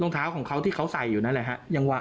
รองเท้าของเขาที่เขาใส่อยู่นั่นแหละฮะ